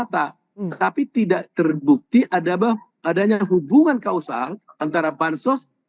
tapi tidak terbukti adanya hubungan kausal antara bansos